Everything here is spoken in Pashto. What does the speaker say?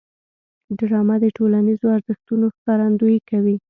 ډرامه د ټولنیزو ارزښتونو ښکارندويي کوي